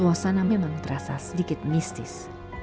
suasana memang terasa sedikit mistis